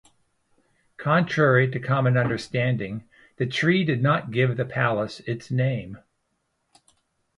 Contrary to common understanding the tree did not give the palace its name.